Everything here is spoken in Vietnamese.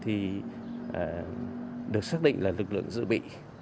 thể hiện được chủ đề ngày tết cổ truyền của dân tộc